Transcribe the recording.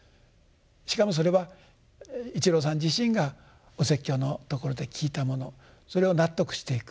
しかもそれは一郎さん自身がお説教のところで聞いたものそれを納得していく。